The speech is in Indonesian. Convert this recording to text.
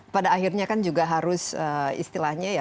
pada akhirnya kan juga harus istilahnya ya